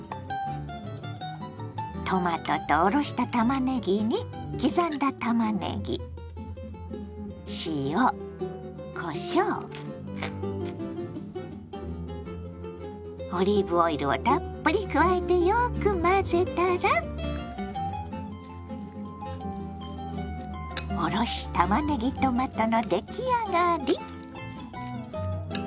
トマトとおろしたたまねぎに刻んだたまねぎ塩こしょうオリーブオイルをたっぷり加えてよく混ぜたら「おろしたまねぎトマト」の出来上がり。